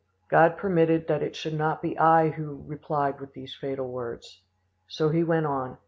God permitted that it should not be I who replied with these fatal words. So he went on.